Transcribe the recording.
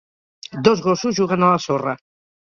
Dos gossos juguen a la sorra.